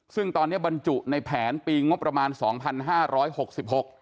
ซึ่งตอนเนี้ยบรรจุในแผนปีงบประมาณสองพันห้าร้อยหกสิบหก